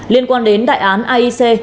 liên quan đến đại án aic